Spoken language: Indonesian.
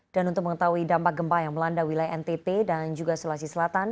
dan untuk mengetahui dampak gempa yang melanda wilayah ntt dan juga sulawesi selatan